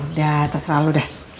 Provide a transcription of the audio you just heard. udah terserah lu deh